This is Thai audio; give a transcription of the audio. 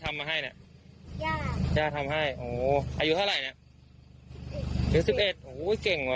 ถ้าใครทำให้เนี่ยย่าทำให้อายุเท่าไรเนี่ย๑๑โอ้เว่เก่งว่ะ